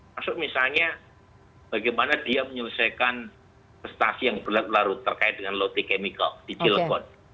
maksud misalnya bagaimana dia menyelesaikan investasi yang terkait dengan lote kemikal di jilgon